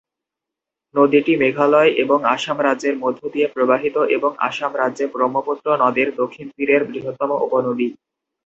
নদীটি মেঘালয় এবং আসাম রাজ্যের মধ্যে দিয়ে প্রবাহিত এবং আসাম রাজ্যে ব্রহ্মপুত্র নদের দক্ষিণ তীরের বৃহত্তম উপনদী।